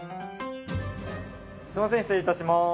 すいません、失礼いたします。